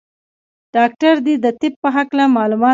ډاکټر دي د طب په هکله معلومات ولیکي.